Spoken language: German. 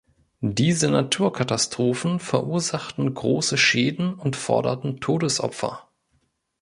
Diese Naturkatastrophen verursachten grosse Schäden und forderten Todesopfer.